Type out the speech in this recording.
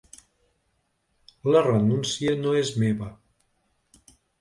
La renúncia no és meva.